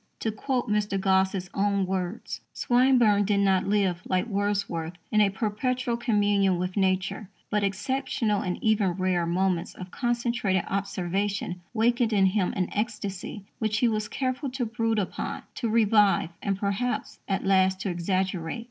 To quote Mr. Gosse's own words: Swinburne did not live, like Wordsworth, in a perpetual communion with Nature, but exceptional, and even rare, moments of concentrated observation wakened in him an ecstasy which he was careful to brood upon, to revive, and perhaps, at last, to exaggerate.